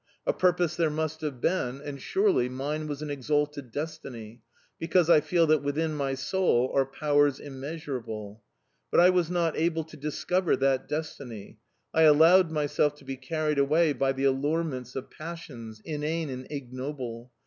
'... A purpose there must have been, and, surely, mine was an exalted destiny, because I feel that within my soul are powers immeasurable... But I was not able to discover that destiny, I allowed myself to be carried away by the allurements of passions, inane and ignoble.